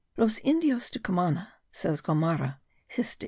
Los Indios de Cumana, says Gomara (Hist.